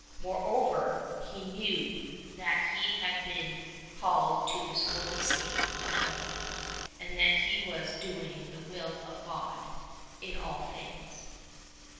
Moreover, he knew that he had been called to this holy state of life and that he was doing the will of God in all things.